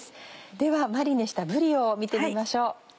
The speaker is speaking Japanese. ではマリネしたぶりを見てみましょう。